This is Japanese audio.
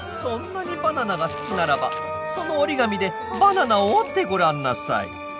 そんなにバナナが好きならばその折り紙でバナナを折ってごらんなさい。